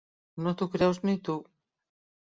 No t'ho creus ni tu!